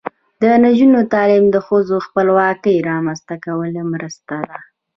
د نجونو تعلیم د ښځو خپلواکۍ رامنځته کولو مرسته ده.